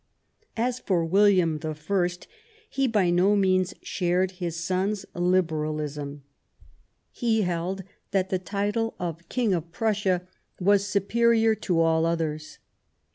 As for William I, he by no means shared his son's liberalism. He held that the title of King of 156 The German Empire Prussia was superior to all others.